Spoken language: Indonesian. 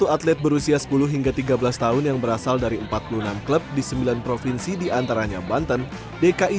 satu atlet berusia sepuluh hingga tiga belas tahun yang berasal dari empat puluh enam klub di sembilan provinsi diantaranya banten dki